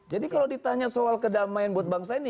kalau ditanya soal kedamaian buat bangsa ini